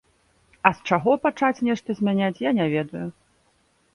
А з чаго пачаць нешта змяняць, я не ведаю.